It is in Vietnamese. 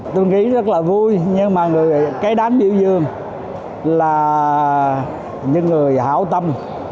tôi nghĩ rất là vui nhưng mà cái đám biểu dương là những người hảo tâm